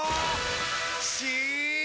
し！